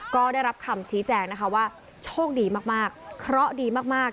ก็ได้รับคำชี้แจงนะคะว่าโชคดีมากเคราะห์ดีมาก